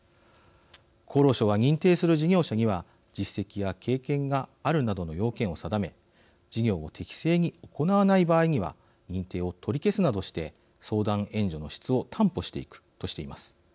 厚労省は認定する事業者には実績や経験があるなどの要件を定め事業を適正に行わない場合には認定を取り消すなどして相談援助の質を担保していくとしています。